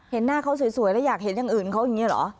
หน้าเขาสวยแล้วอยากเห็นอย่างอื่นเขาอย่างนี้เหรอ